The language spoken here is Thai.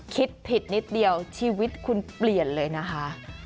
คิดผิดนิดเดียวชีวิตคุณเปลี่ยนเลยนะคะ